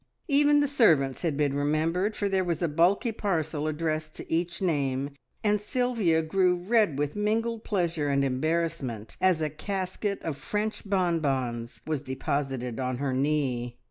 Even the servants had been remembered, for there was a bulky parcel addressed to each name, and Sylvia grew red with mingled pleasure and embarrassment as a casket of French bon bons was deposited on her knee.